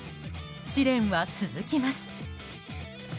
試練は続きます。